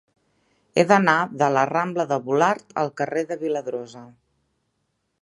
He d'anar de la rambla de Volart al carrer de Viladrosa.